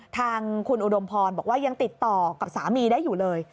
ทางคุณอุดมพรบอกว่ายังติดต่อกับสามีได้อยู่เลย